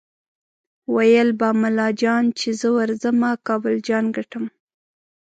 ویل به ملا جان چې زه ورځمه کابل جان ګټم